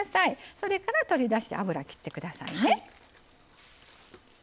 それから取り出して油切ってくださいね。